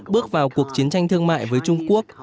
bước vào cuộc chiến tranh thương mại với trung quốc